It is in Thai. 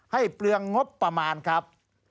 เปลืองงบประมาณครับ